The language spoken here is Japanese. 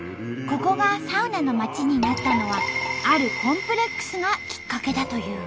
ここがサウナの町になったのはあるコンプレックスがきっかけだという。